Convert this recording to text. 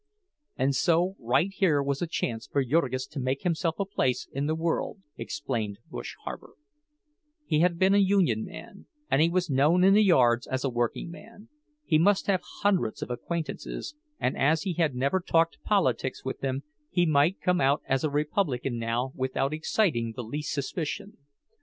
And so right here was a chance for Jurgis to make himself a place in the world, explained "Bush" Harper; he had been a union man, and he was known in the yards as a workingman; he must have hundreds of acquaintances, and as he had never talked politics with them he might come out as a Republican now without exciting the least suspicion.